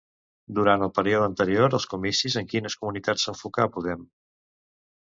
Durant el període anterior als comicis, en quines comunitats s'enfocarà Podem?